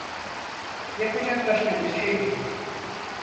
Yapacak başka bir şey yok.